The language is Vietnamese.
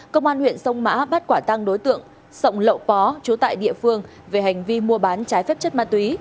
công an huyện sông mã bắt quả tăng đối tượng sổng lậu pó chú tại địa phương về hành vi mua bán trái phép chất ma túy